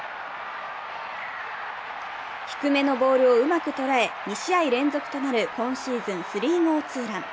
低めのボールをうまく捉え、２試合連続となる今シーズン３号ツーラン。